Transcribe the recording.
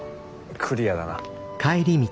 クリアだな。